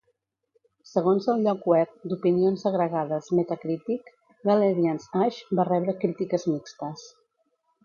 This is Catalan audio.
Segons el lloc web d'opinions agregades Metacritic, "Galerians:Ash" va rebre crítiques mixtes.